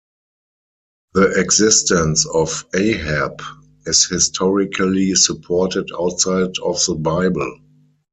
The existence of Ahab is historically supported outside of the Bible.